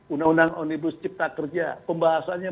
undang undang omnibus cipta kerja pembahasannya